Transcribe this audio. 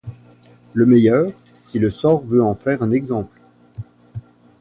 Le meilleur, si le sort veut en faire un exemple